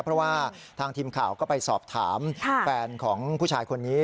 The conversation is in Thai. เพราะว่าทางทีมข่าวก็ไปสอบถามแฟนของผู้ชายคนนี้